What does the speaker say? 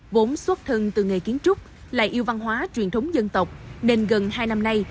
vốn xuất thân từ nghề kiến trúc lại yêu văn hóa truyền thống dân tộc nên gần hai năm nay